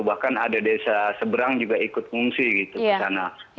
bahkan ada desa seberang juga ikut mengungsi gitu ke sana